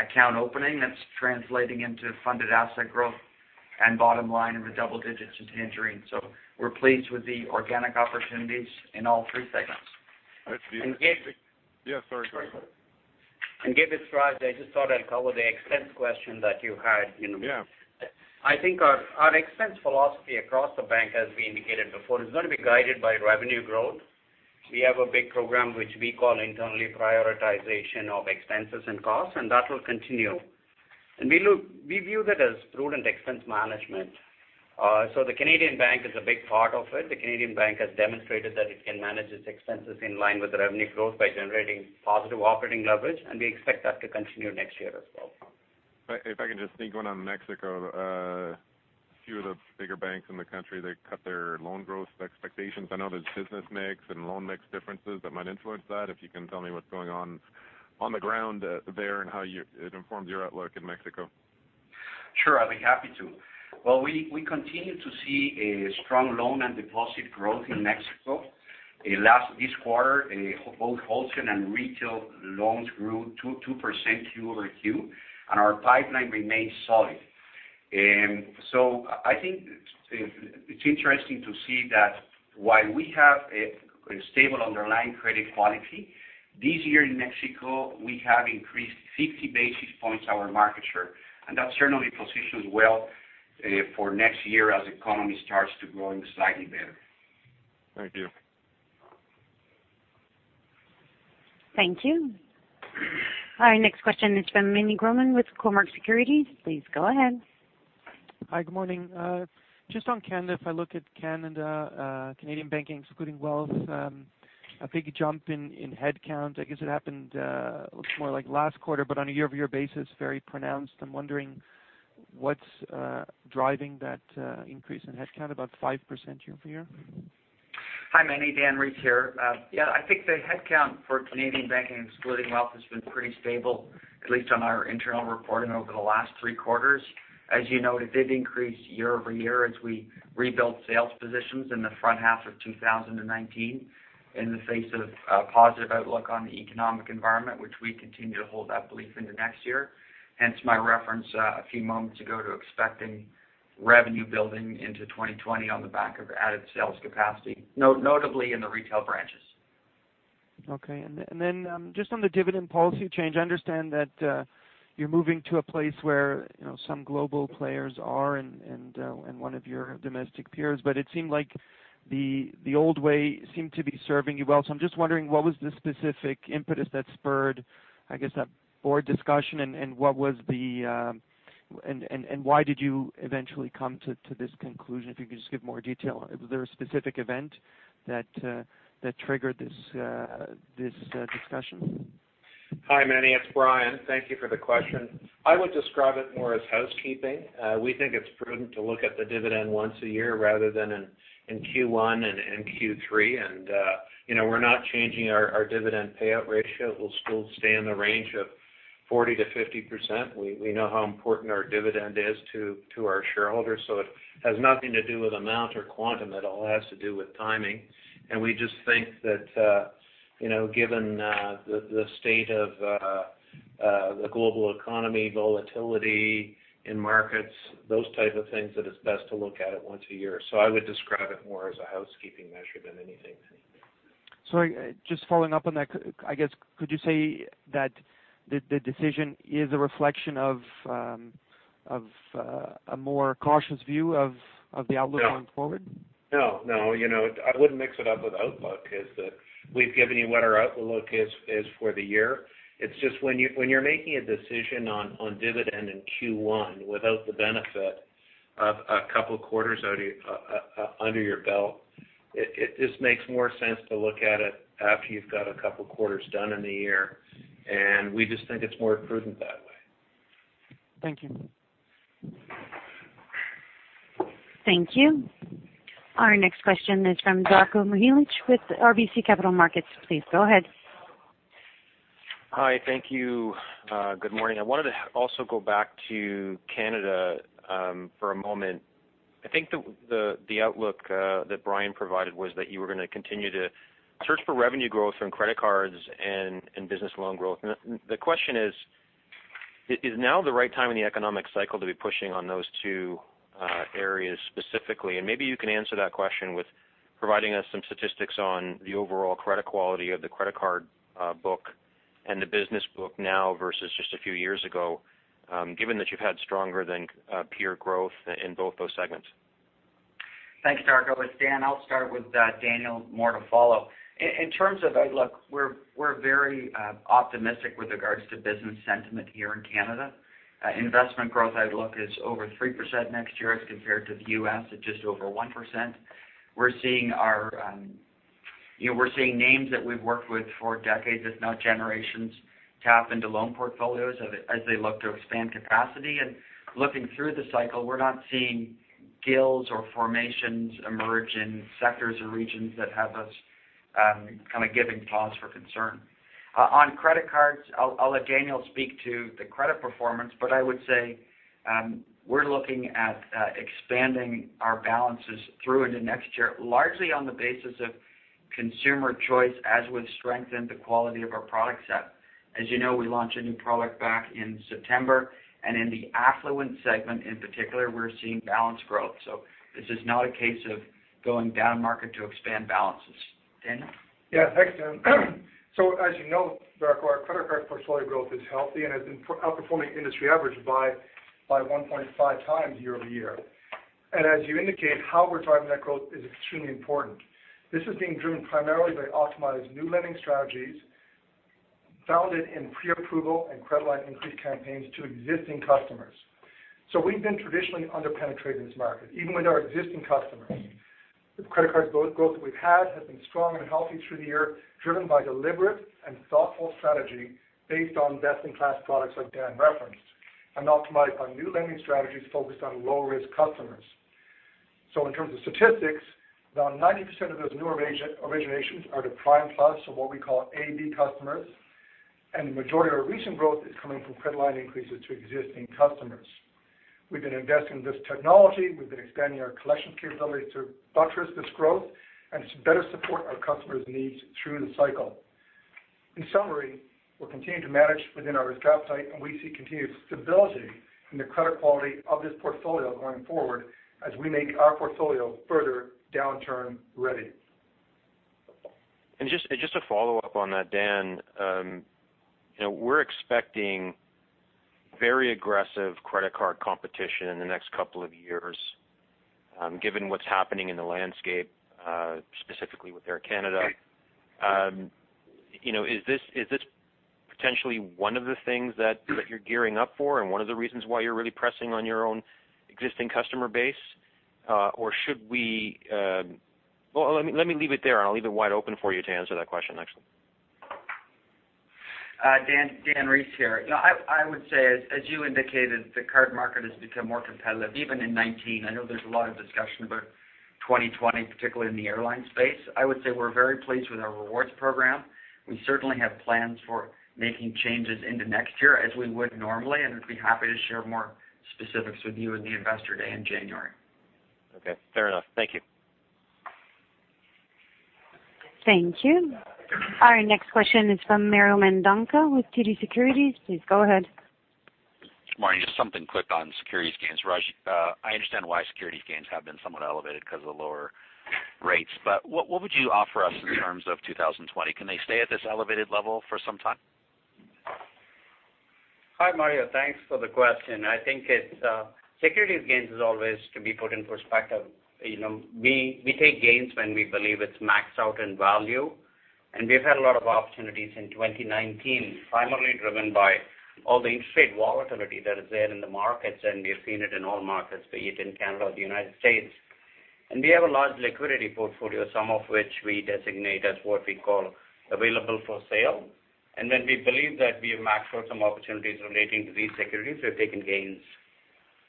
[SPEAKER 10] account opening that's translating into funded asset growth and bottom line in the double digits in Tangerine. We're pleased with the organic opportunities in all three segments.
[SPEAKER 9] That's.
[SPEAKER 3] Gabe.
[SPEAKER 9] Yeah, sorry, go ahead.
[SPEAKER 3] Gabe, it's Raj. I just thought I'd cover the expense question that you had.
[SPEAKER 9] Yeah.
[SPEAKER 3] I think our expense philosophy across the bank, as we indicated before, is going to be guided by revenue growth. We have a big program which we call internally prioritization of expenses and costs, and that will continue. We view that as prudent expense management. The Canadian bank is a big part of it. The Canadian bank has demonstrated that it can manage its expenses in line with the revenue growth by generating positive operating leverage, and we expect that to continue next year as well.
[SPEAKER 9] If I can just sneak one on Mexico. A few of the bigger banks in the country, they cut their loan growth expectations. I know there's business mix and loan mix differences that might influence that. If you can tell me what's going on the ground there and how it informs your outlook in Mexico?
[SPEAKER 7] Sure, I'd be happy to. Well, we continue to see a strong loan and deposit growth in Mexico. This quarter, both wholesale and retail loans grew 2% Q over Q, and our pipeline remains solid. I think it's interesting to see that while we have a stable underlying credit quality, this year in Mexico, we have increased 50 basis points our market share, and that certainly positions well for next year as the economy starts to grow slightly better.
[SPEAKER 9] Thank you.
[SPEAKER 5] Thank you. Our next question is from Meny Grauman with Cormark Securities. Please go ahead.
[SPEAKER 11] Hi. Good morning. Just on Canada, if I look at Canada, Canadian Banking, excluding wealth, a big jump in headcount. I guess it happened more like last quarter, but on a year-over-year basis, very pronounced. I'm wondering what's driving that increase in headcount, about 5% year-over-year?
[SPEAKER 10] Hi, Meny. Dan Rees here. Yeah, I think the headcount for Canadian Banking, excluding wealth, has been pretty stable, at least on our internal reporting over the last three quarters. As you noted, it did increase year-over-year as we rebuilt sales positions in the front half of 2019 in the face of a positive outlook on the economic environment, which we continue to hold that belief into next year, hence my reference a few moments ago to expecting revenue building into 2020 on the back of added sales capacity, notably in the retail branches.
[SPEAKER 11] Okay. Just on the dividend policy change, I understand that you're moving to a place where some global players are and one of your domestic peers, but it seemed like the old way seemed to be serving you well. I'm just wondering, what was the specific impetus that spurred, I guess, that board discussion, and why did you eventually come to this conclusion? If you could just give more detail. Was there a specific event that triggered this discussion?
[SPEAKER 2] Hi, Meny. It's Brian. Thank you for the question. I would describe it more as housekeeping. We think it's prudent to look at the dividend once a year rather than in Q1 and in Q3. We're not changing our dividend payout ratio. It will still stay in the range of 40%-50%. We know how important our dividend is to our shareholders, so it has nothing to do with amount or quantum at all. It has to do with timing. We just think that given the state of the global economy, volatility in markets, those types of things, that it's best to look at it once a year. I would describe it more as a housekeeping measure than anything.
[SPEAKER 11] Sorry, just following up on that, I guess, could you say that the decision is a reflection of a more cautious view of the outlook going forward?
[SPEAKER 2] No. I wouldn't mix it up with outlook, is that we've given you what our outlook is for the year. It's just when you're making a decision on dividend in Q1 without the benefit of a couple of quarters under your belt, it just makes more sense to look at it after you've got a couple quarters done in the year. We just think it's more prudent that way.
[SPEAKER 11] Thank you.
[SPEAKER 5] Thank you. Our next question is from Darko Mihelic with RBC Capital Markets. Please go ahead.
[SPEAKER 12] Hi. Thank you. Good morning. I wanted to also go back to Canada for a moment. I think the outlook that Brian provided was that you were going to continue to search for revenue growth from credit cards and business loan growth. The question is now the right time in the economic cycle to be pushing on those two areas specifically? Maybe you can answer that question with providing us some statistics on the overall credit quality of the credit card book and the business book now versus just a few years ago, given that you've had stronger than peer growth in both those segments.
[SPEAKER 10] Thanks, Darko. It's Dan. I'll start with Daniel, more to follow. In terms of outlook, we're very optimistic with regards to business sentiment here in Canada. Investment growth outlook is over 3% next year as compared to the U.S. at just over 1%. We're seeing names that we've worked with for decades, if not generations, tap into loan portfolios as they look to expand capacity. Looking through the cycle, we're not seeing guilds or formations emerge in sectors or regions that have us kind of giving pause for concern. On credit cards, I'll let Daniel speak to the credit performance, but I would say we're looking at expanding our balances through into next year, largely on the basis of consumer choice as we've strengthened the quality of our product set. As you know, we launched a new product back in September, and in the affluent segment in particular, we're seeing balance growth. This is not a case of going down-market to expand balances. Daniel?
[SPEAKER 4] Yeah, thanks, Dan. As you know, Darko, our credit card portfolio growth is healthy and has been outperforming industry average by 1.5 times year-over-year. As you indicate, how we're driving that growth is extremely important. This is being driven primarily by optimized new lending strategies founded in pre-approval and credit line increase campaigns to existing customers. We've been traditionally under-penetrated in this market, even with our existing customers. The credit card growth that we've had has been strong and healthy through the year, driven by deliberate and thoughtful strategy based on best-in-class products like Dan referenced, and optimized by new lending strategies focused on low-risk customers. In terms of statistics, around 90% of those newer originations are the prime plus, what we call AB customers, and the majority of our recent growth is coming from credit line increases to existing customers. We've been investing in this technology, we've been expanding our collection capability to buttress this growth and to better support our customers' needs through the cycle. In summary, we'll continue to manage within our risk appetite, and we see continued stability in the credit quality of this portfolio going forward as we make our portfolio further downturn-ready.
[SPEAKER 12] Just a follow-up on that, Dan. We're expecting very aggressive credit card competition in the next couple of years, given what's happening in the landscape, specifically with Air Canada.
[SPEAKER 10] Right.
[SPEAKER 12] Is this potentially one of the things that you're gearing up for and one of the reasons why you're really pressing on your own existing customer base? Well, let me leave it there, and I'll leave it wide open for you to answer that question actually.
[SPEAKER 10] Dan Rees here. I would say, as you indicated, the card market has become more competitive, even in 2019. I know there's a lot of discussion about 2020, particularly in the airline space. I would say we're very pleased with our rewards program. We certainly have plans for making changes into next year as we would normally, and I'd be happy to share more specifics with you in the Investor Day in January.
[SPEAKER 12] Okay. Fair enough. Thank you.
[SPEAKER 5] Thank you. Our next question is from Mario Mendonca with TD Securities. Please go ahead.
[SPEAKER 13] Morning. Just something quick on securities gains. Raj, I understand why securities gains have been somewhat elevated because of the lower rates, but what would you offer us in terms of 2020? Can they stay at this elevated level for some time?
[SPEAKER 3] Hi, Mario. Thanks for the question. I think it's securities gains is always to be put in perspective. We take gains when we believe it's maxed out in value, and we've had a lot of opportunities in 2019, primarily driven by all the interest rate volatility that is there in the markets, and we've seen it in all markets, be it in Canada or the United States. We have a large liquidity portfolio, some of which we designate as what we call available for sale. When we believe that we have maxed out some opportunities relating to these securities, we've taken gains.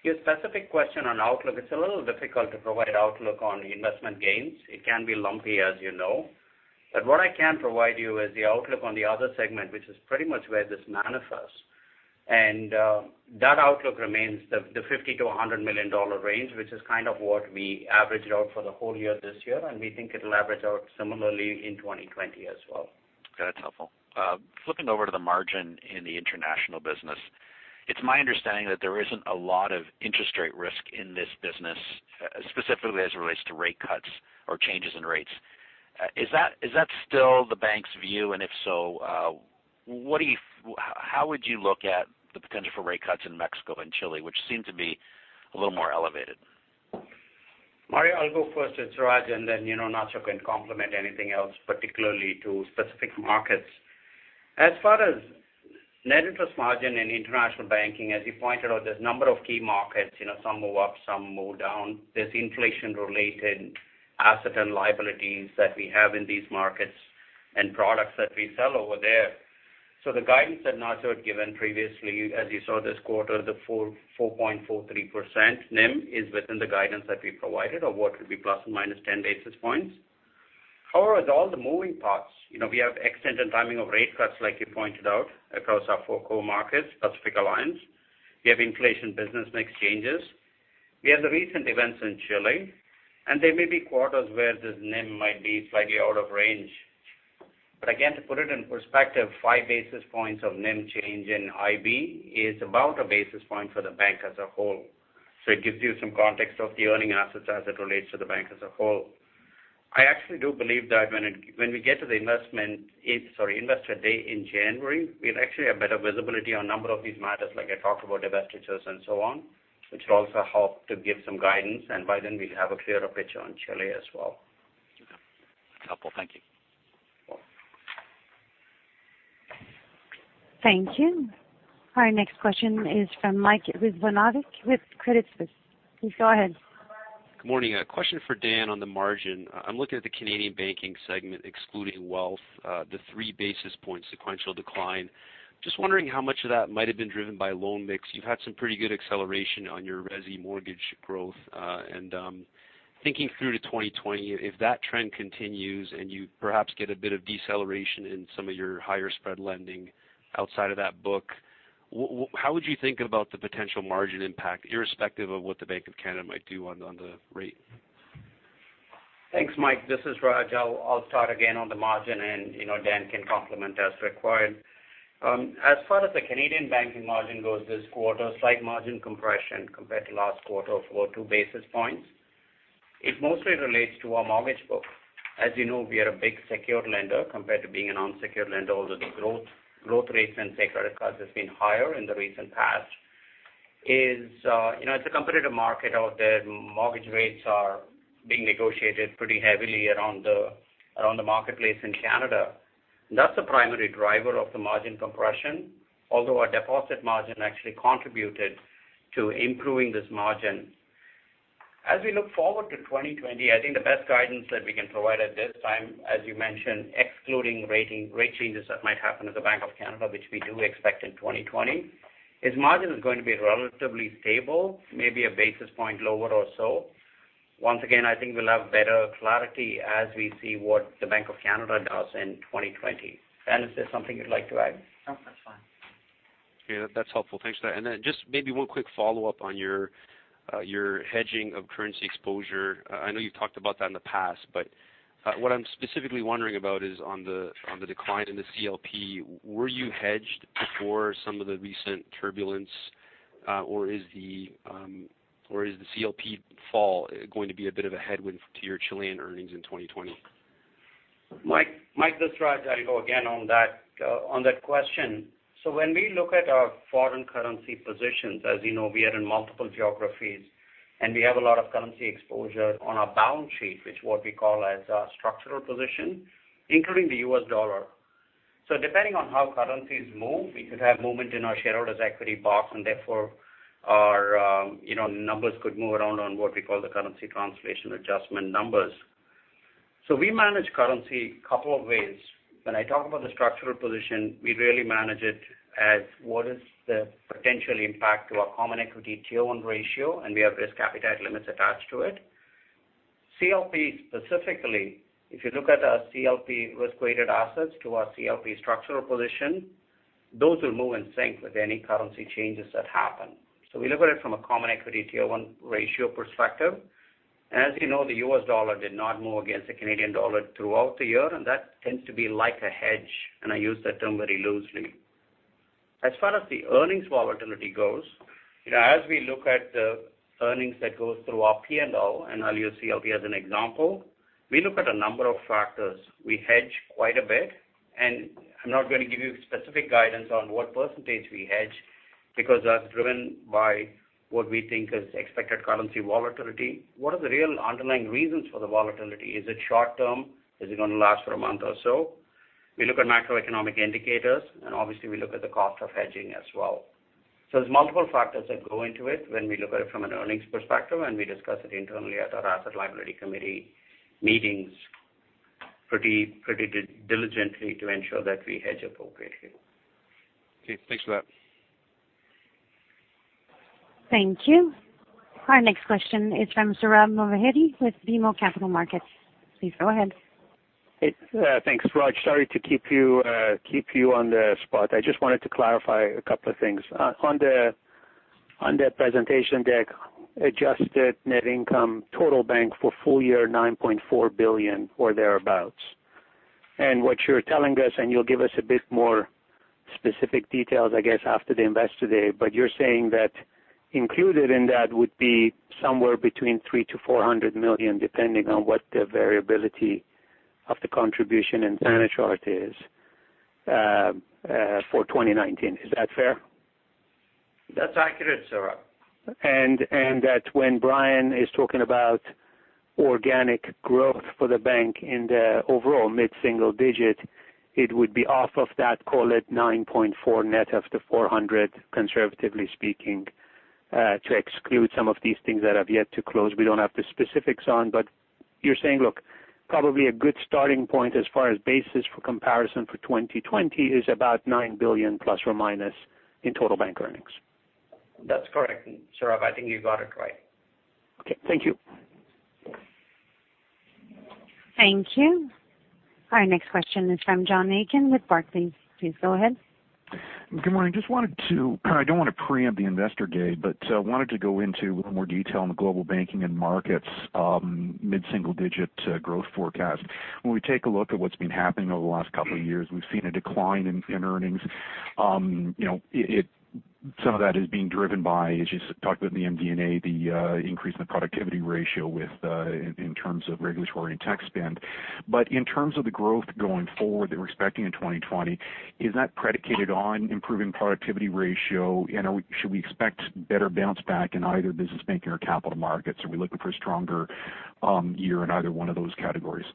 [SPEAKER 3] To your specific question on outlook, it's a little difficult to provide outlook on investment gains. It can be lumpy, as you know. What I can provide you is the outlook on the other segment, which is pretty much where this manifests. That outlook remains the 50 million-100 million dollar range, which is kind of what we averaged out for the whole year this year, and we think it'll average out similarly in 2020 as well.
[SPEAKER 13] Okay, that's helpful. Flipping over to the margin in the international business, it's my understanding that there isn't a lot of interest rate risk in this business, specifically as it relates to rate cuts or changes in rates. Is that still the bank's view? If so, how would you look at the potential for rate cuts in Mexico and Chile, which seem to be a little more elevated?
[SPEAKER 3] Mario, I'll go first. It's Raj. Then Nacho can complement anything else, particularly to specific markets. As far as net interest margin in International Banking, as you pointed out, there's a number of key markets, some move up, some move down. There's inflation-related asset and liabilities that we have in these markets and products that we sell over there. The guidance that Nacho had given previously, as you saw this quarter, the 4.43% NIM is within the guidance that we provided of what could be plus or minus 10 basis points. However, with all the moving parts, we have extent and timing of rate cuts, like you pointed out, across our four core markets, Pacific Alliance. We have inflation business mix changes. We have the recent events in Chile. There may be quarters where this NIM might be slightly out of range. Again, to put it in perspective, five basis points of NIM change in IB is about a basis point for the bank as a whole. It gives you some context of the earning assets as it relates to the bank as a whole. I actually do believe that when we get to the Investor Day in January, we'll actually have better visibility on a number of these matters like I talked about, divestitures and so on, which will also help to give some guidance. By then we'll have a clearer picture on Chile as well.
[SPEAKER 13] Okay. Helpful. Thank you.
[SPEAKER 5] Thank you. Our next question is from Mike Rizvanovic with Credit Suisse. Please go ahead.
[SPEAKER 14] Good morning. A question for Dan on the margin. I'm looking at the Canadian Banking segment, excluding wealth, the three basis points sequential decline. Wondering how much of that might have been driven by loan mix. You've had some pretty good acceleration on your resi mortgage growth. Thinking through to 2020, if that trend continues and you perhaps get a bit of deceleration in some of your higher spread lending outside of that book, how would you think about the potential margin impact, irrespective of what the Bank of Canada might do on the rate?
[SPEAKER 3] Thanks, Mike. This is Raj. I'll start again on the margin and Dan can complement as required. As far as the Canadian Banking margin goes this quarter, slight margin compression compared to last quarter of 42 basis points. It mostly relates to our mortgage book. As you know, we are a big secured lender compared to being an unsecured lender. Although the growth rates and credit cards has been higher in the recent past. It's a competitive market out there. Mortgage rates are being negotiated pretty heavily around the marketplace in Canada. That's the primary driver of the margin compression. Although our deposit margin actually contributed to improving this margin. As we look forward to 2020, I think the best guidance that we can provide at this time, as you mentioned, excluding rate changes that might happen at the Bank of Canada, which we do expect in 2020, is margin is going to be relatively stable, maybe a basis point lower or so. Once again, I think we'll have better clarity as we see what the Bank of Canada does in 2020. Dan, is there something you'd like to add?
[SPEAKER 10] No, that's fine.
[SPEAKER 14] Okay. That's helpful. Thanks for that. Just maybe one quick follow-up on your hedging of currency exposure. I know you've talked about that in the past, what I'm specifically wondering about is on the decline in the CLP, were you hedged before some of the recent turbulence? Is the CLP fall going to be a bit of a headwind to your Chilean earnings in 2020?
[SPEAKER 3] Mike, this is Raj. I'll go again on that question. When we look at our foreign currency positions, as you know, we are in multiple geographies and we have a lot of currency exposure on our balance sheet, which what we call as our structural position, including the U.S. dollar. Depending on how currencies move, we could have movement in our shareholders' equity box, and therefore our numbers could move around on what we call the currency translation adjustment numbers. We manage currency a couple of ways. When I talk about the structural position, we really manage it as what is the potential impact to our Common Equity Tier 1 ratio, and we have risk appetite limits attached to it. CLPs specifically, if you look at our CLP risk-weighted assets to our CLP structural position, those will move in sync with any currency changes that happen. We look at it from a Common Equity Tier 1 ratio perspective. As you know, the U.S. dollar did not move against the Canadian dollar throughout the year, and that tends to be like a hedge, and I use that term very loosely. As far as the earnings volatility goes, as we look at the earnings that goes through our P&L, and I'll use CLP as an example, we look at a number of factors. We hedge quite a bit, and I'm not going to give you specific guidance on what percentage we hedge, because that's driven by what we think is expected currency volatility. What are the real underlying reasons for the volatility? Is it short term? Is it going to last for a month or so? We look at macroeconomic indicators, and obviously we look at the cost of hedging as well. There's multiple factors that go into it when we look at it from an earnings perspective, and we discuss it internally at our asset liability committee meetings pretty diligently to ensure that we hedge appropriately.
[SPEAKER 14] Okay, thanks for that.
[SPEAKER 5] Thank you. Our next question is from Sohrab Movahedi with BMO Capital Markets. Please go ahead.
[SPEAKER 15] Hey. Thanks, Raj. Sorry to keep you on the spot. I just wanted to clarify a couple of things. On the presentation deck, adjusted net income total bank for full year, 9.4 billion or thereabouts. What you're telling us, and you'll give us a bit more specific details I guess after the Investor Day, but you're saying that included in that would be somewhere between 300 million-400 million, depending on what the variability of the contribution in Thanachart is for 2019. Is that fair?
[SPEAKER 3] That's accurate, Sohrab.
[SPEAKER 15] That when Brian is talking about organic growth for the bank in the overall mid-single digit, it would be off of that, call it 9.4 net of the 400, conservatively speaking, to exclude some of these things that have yet to close. We don't have the specifics on, you're saying, look, probably a good starting point as far as basis for comparison for 2020 is about 9 billion plus or minus in total bank earnings.
[SPEAKER 3] That's correct, Sohrab. I think you got it right.
[SPEAKER 15] Okay, thank you.
[SPEAKER 5] Thank you. Our next question is from John Aiken with Barclays. Please go ahead.
[SPEAKER 16] Good morning. I don't want to preempt the Investor Day, but wanted to go into more detail on the Global Banking and Markets mid-single-digit growth forecast. When we take a look at what's been happening over the last couple of years, we've seen a decline in earnings. Some of that is being driven by, as you talked about in the MD&A, the increase in the productivity ratio in terms of regulatory and tech spend. In terms of the growth going forward that we're expecting in 2020, is that predicated on improving productivity ratio? Should we expect better bounce back in either business banking or capital markets? Are we looking for a stronger year in either one of those categories?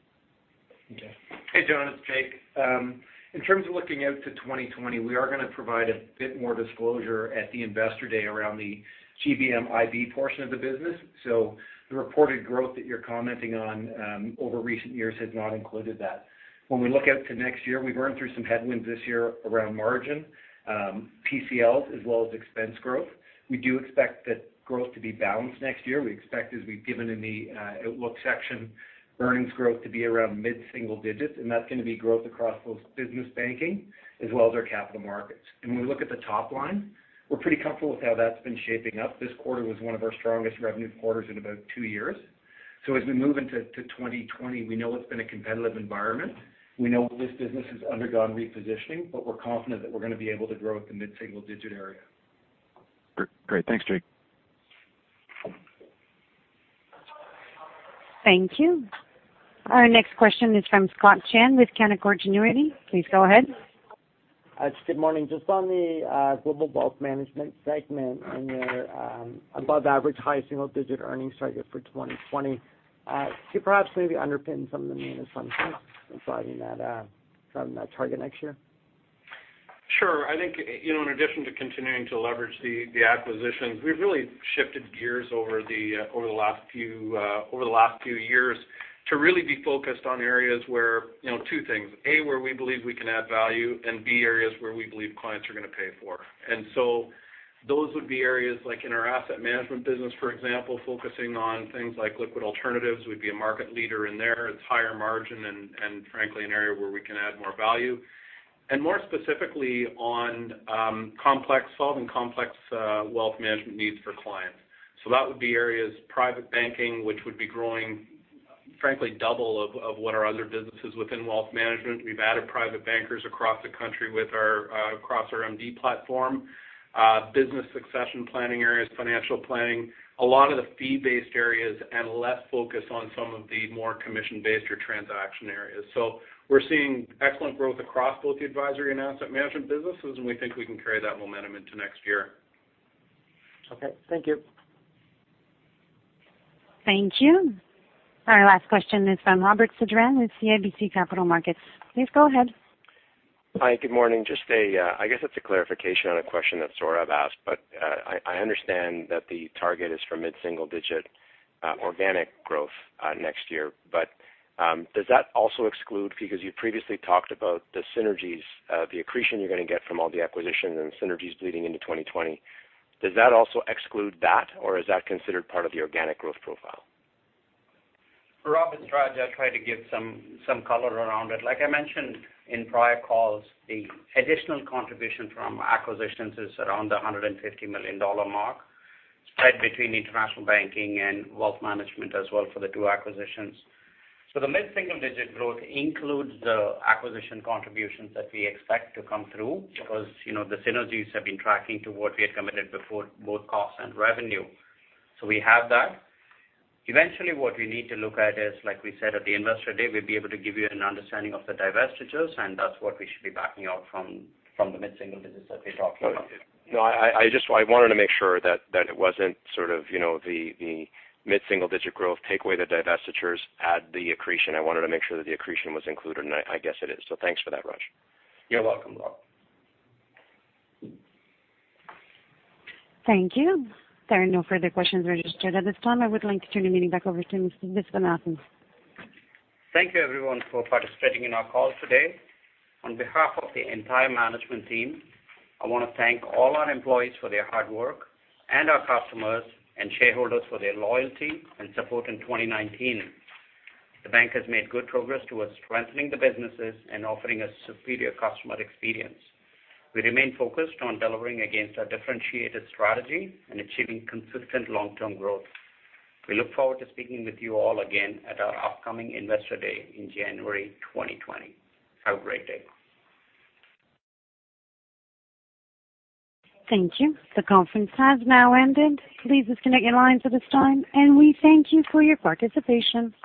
[SPEAKER 17] Hey, John Aiken. Jake. In terms of looking out to 2020, we are going to provide a bit more disclosure at the Investor Day around the GBM IB portion of the business. The reported growth that you're commenting on over recent years has not included that. When we look out to next year, we've earned through some headwinds this year around margin, PCLs as well as expense growth. We do expect that growth to be balanced next year. We expect, as we've given in the outlook section, earnings growth to be around mid-single digits, and that's going to be growth across both business banking as well as our capital markets. When we look at the top line, we're pretty comfortable with how that's been shaping up. This quarter was one of our strongest revenue quarters in about two years. As we move into 2020, we know it's been a competitive environment. We know this business has undergone repositioning, but we're confident that we're going to be able to grow at the mid-single-digit area.
[SPEAKER 16] Great. Thanks, Jake.
[SPEAKER 5] Thank you. Our next question is from Scott Chan with Canaccord Genuity. Please go ahead.
[SPEAKER 18] Good morning. Just on the Global Wealth Management segment and your above-average high single-digit earnings target for 2020. Could you perhaps maybe underpin some of the main assumptions in driving that target next year?
[SPEAKER 19] Sure. I think, in addition to continuing to leverage the acquisitions, we've really shifted gears over the last few years to really be focused on areas where, two things, A, where we believe we can add value and B, areas where we believe clients are going to pay for. Those would be areas like in our asset management business, for example, focusing on things like liquid alternatives. We'd be a market leader in there. It's higher margin and frankly, an area where we can add more value. More specifically on solving complex wealth management needs for clients. That would be areas private banking, which would be growing, frankly, double of what our other business is within wealth management. We've added private bankers across the country across our MD platform. Business succession planning areas, financial planning, a lot of the fee-based areas, and less focus on some of the more commission-based or transaction areas. We're seeing excellent growth across both the advisory and asset management businesses, and we think we can carry that momentum into next year.
[SPEAKER 18] Okay. Thank you.
[SPEAKER 5] Thank you. Our last question is from Robert Sedran with CIBC Capital Markets. Please go ahead.
[SPEAKER 20] Hi, good morning. I guess it's a clarification on a question that Sohrab asked, but I understand that the target is for mid-single digit organic growth next year. Does that also exclude, because you previously talked about the synergies, the accretion you're going to get from all the acquisitions and synergies bleeding into 2020? Does that also exclude that, or is that considered part of the organic growth profile?
[SPEAKER 3] Robert, it is Raj. I will try to give some color around it. Like I mentioned in prior calls, the additional contribution from acquisitions is around the 150 million dollar mark, spread between International Banking and Global Wealth Management as well for the two acquisitions. The mid-single digit growth includes the acquisition contributions that we expect to come through because the synergies have been tracking to what we had committed before, both cost and revenue. We have that. Eventually, what we need to look at is, like we said at the Investor Day, we will be able to give you an understanding of the divestitures, and that is what we should be backing out from the mid-single digits that we are talking about.
[SPEAKER 20] No, I wanted to make sure that it wasn't sort of the mid-single digit growth, take away the divestitures, add the accretion. I wanted to make sure that the accretion was included, and I guess it is. Thanks for that, Raj.
[SPEAKER 3] You're welcome, Rob.
[SPEAKER 5] Thank you. There are no further questions registered at this time. I would like to turn the meeting back over to Mr. Viswanathan.
[SPEAKER 3] Thank you everyone for participating in our call today. On behalf of the entire management team, I want to thank all our employees for their hard work and our customers and shareholders for their loyalty and support in 2019. The bank has made good progress towards strengthening the businesses and offering a superior customer experience. We remain focused on delivering against our differentiated strategy and achieving consistent long-term growth. We look forward to speaking with you all again at our upcoming Investor Day in January 2020. Have a great day.
[SPEAKER 5] Thank you. The conference has now ended. Please disconnect your lines at this time. We thank you for your participation.